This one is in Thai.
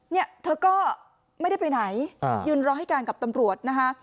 เนี่ยเธอก็ไม่ได้ไปไหนยืนรอให้การกับตำรวจนะคะ